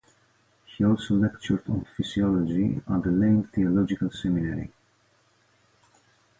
He also lectured on physiology at the Lane Theological Seminary.